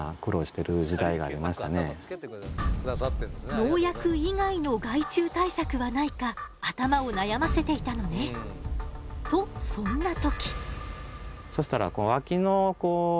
農薬以外の害虫対策はないか頭を悩ませていたのね。とそんな時。